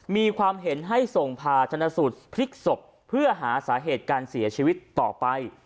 มีความเห็นให้ส่งผ่าชนสูตรพลิกศพเพื่อหาสาเหตุการเสียชีวิตต่อไป